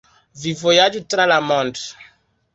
Vi vojaĝu tra la mond'